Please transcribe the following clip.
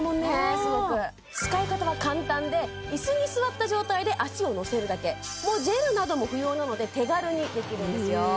すごく使い方は簡単で椅子に座った状態で足を乗せるだけもうジェルなども不要なので手軽にできるんですよ